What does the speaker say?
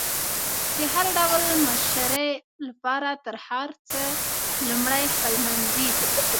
د هر ډول مشري لپاره تر هر څه لمړی خپلمنځي